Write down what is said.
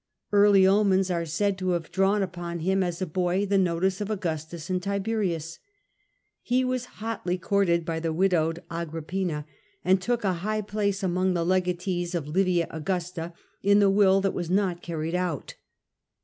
Early omens are said to have drawn upon him as a boy the notice of Augustus and Tiberius ; he was hotly courted by the widowed Agrippina, and took a high place among the legatees of Li via Augusta in the will that was not carried out.